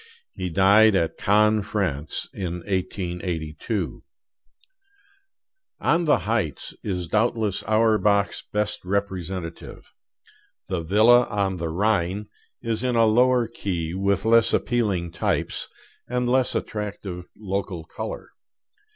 He died at Cannes, France, in 1882. 'On the Heights' is doubtless Auerbach's best representative. 'The Villa on the Rhine' is in a lower key, with less appealing types, and less attractive local color.